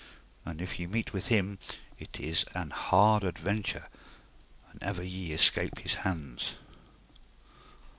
And if ye meet with him it is an hard adventure an ever ye escape his hands.